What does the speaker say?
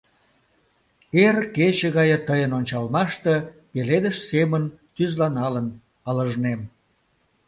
Эр кече гае тыйын ончалмаште пеледыш семын тӱзланалын ылыжнем.